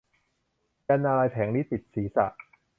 ยันต์นารายณ์แผลงฤทธิ์ปิดศรีษะ